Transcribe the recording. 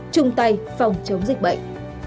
trung tay phòng chống dịch bệnh